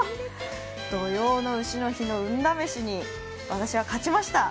土用の丑の日の運試しに私は勝ちました